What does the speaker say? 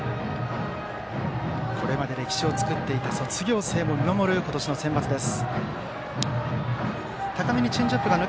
これまで歴史を作ってきた卒業生も見守る今年のセンバツです。